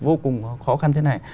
vô cùng khó khăn thế này